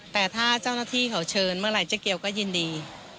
แต่ถ้าเจ้าหน้าที่เขาเชิญเมื่อไหร่เจ๊เกียวก็ยินดี